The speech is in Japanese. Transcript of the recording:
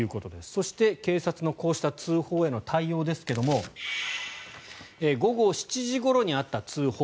そして、警察のこうした通報への対応ですが午後７時ごろにあった通報。